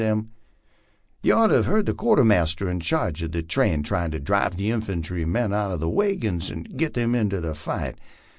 Ye ort to her heard the quartermaster in charge uv the train tryin' to drive the infantry men out of the wagons and git them into the fight.